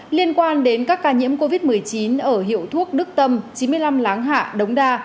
liên quan đến các ca nhiễm covid một mươi chín ở hiệu thuốc đức tâm chín mươi năm láng hạ đống đa